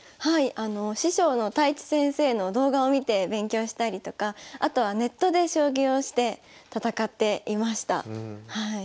あの師匠の太地先生の動画を見て勉強したりとかあとはネットで将棋をして戦っていました。